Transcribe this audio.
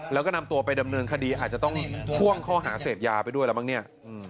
แล้วก็นำตัวไปดำเนินคดีอาจจะต้องพ่วงข้อหาเสพยาไปด้วยแล้วมั้งเนี่ย